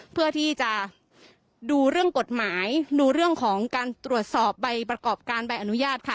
เพื่อที่จะดูเรื่องกฎหมายดูเรื่องของการตรวจสอบใบประกอบการใบอนุญาตค่ะ